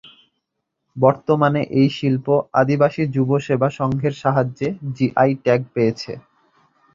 বর্তমানে এই শিল্প আদিবাসী যুব সেবা সংঘের সাহায্যে জি আই ট্যাগ পেয়েছে।